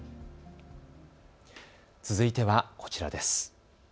続いてはこちらです。